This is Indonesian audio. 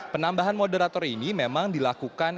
penambahan moderator ini memang dilakukan